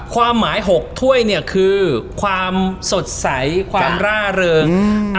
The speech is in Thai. ความหมาย๖ถ้วยเนี่ยคือความสดใสความร่าเริง